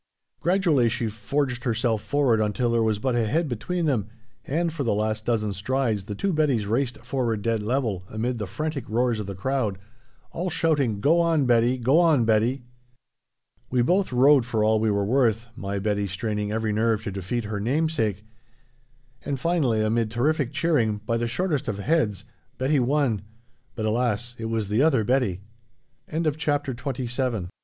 Gradually she forged herself forward until there was but a head between them, and for the last dozen strides the two Bettys raced forward dead level amid the frantic roars of the crowd, all shouting, "Go on, Betty! Go on, Betty!" We both rode for all we were worth, my Betty straining every nerve to defeat her namesake, and finally, amid terrific cheering, by the shortest of heads, Betty won but, alas, it was the other Betty! [Illustration: RUINS AT BAALB